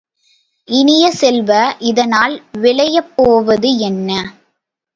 இனிய செல்வ, இதனால் விளையப் போவது என்ன?